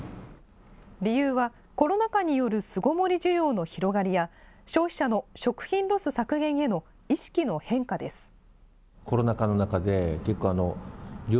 理由はコロナ禍による巣ごもり需要の広がりや、消費者の食品ロス削減への意識の変化です。